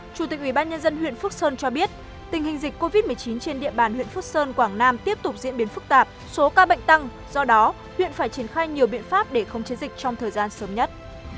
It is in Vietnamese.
chủ tịch ubnd huyện phước sơn cho biết tình hình dịch covid một mươi chín trên địa bàn huyện phước sơn quảng nam tiếp tục diễn biến phức tạp số ca bệnh tăng do đó huyện phải triển khai nhiều biện pháp để khống chế dịch trong thời gian sớm nhất